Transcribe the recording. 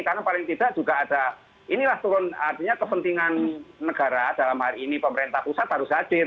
karena paling tidak juga ada inilah turun artinya kepentingan negara dalam hari ini pemerintah pusat baru sadir